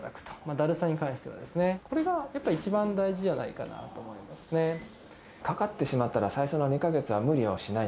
だるさに関してはですね、これがやっぱり一番大事じゃないかなとかかってしまったら、最初の２か月は無理をしない。